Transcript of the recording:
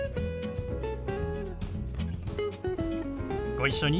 ご一緒に。